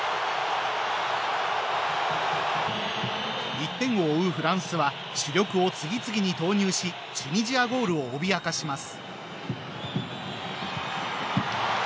１点を追うフランスは主力を次々に投入しチュニジアゴールを脅かします。